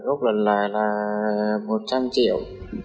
tôi là gốc lần là một trăm linh triệu